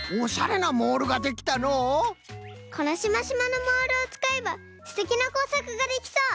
このシマシマのモールをつかえばすてきなこうさくができそう！